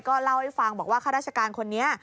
ก็เล่าให้ฟังบอกว่าข้าราชการคนนี้